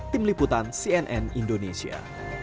tim liputan cnn indonesia